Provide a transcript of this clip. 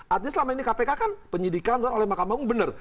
artinya selama ini kpk kan penyidikan oleh mahkamah agung benar